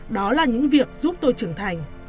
đó là những việc giúp tôi trưởng thành